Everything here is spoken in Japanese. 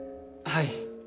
はい。